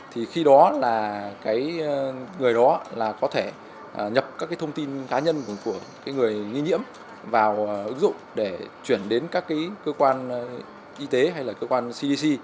thì khi đó là người đó là có thể nhập các cái thông tin cá nhân của người nghi nhiễm vào ứng dụng để chuyển đến các cơ quan y tế hay là cơ quan cdc